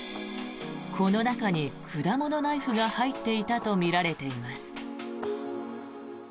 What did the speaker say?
この中に果物ナイフが入っていたとみられています。